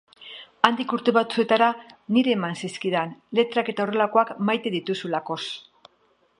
Handik urte batzuetara niri eman zizkidan, letrak eta horrelakoak maite dituzulakoz.